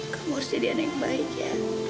kamu harus jadian yang baik ya